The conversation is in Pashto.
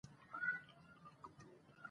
د ادب زده کړه، د ژوند زده کړه ده.